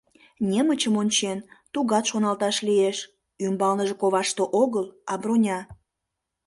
Немычым ончен, тугат шоналташ лиеш: ӱмбалныже коваште огыл, а броня.